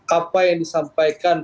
apa yang disampaikan